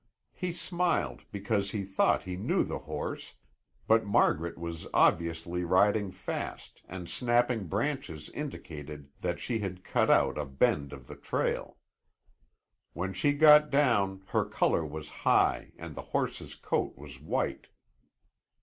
He smiled, because he thought he knew the horse; but Margaret was obviously riding fast and snapping branches indicated that she had cut out a bend of the trail. When she got down her color was high and the horse's coat was white.